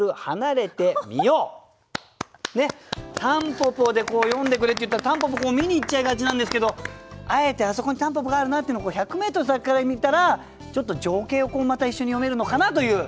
「蒲公英」で詠んでくれっていったら蒲公英見に行っちゃいがちなんですけどあえて「あそこに蒲公英があるな」っていうのを１００ｍ先から見たら情景をまた一緒に詠めるのかなという。